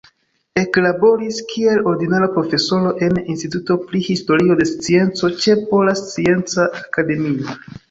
Eklaboris kiel ordinara profesoro en Instituto pri Historio de Scienco ĉe Pola Scienca Akademio.